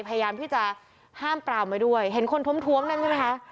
พยายามที่จะห้ามปรามไว้ด้วยเห็นคนท้วมท้วมนั่นใช่ไหมคะ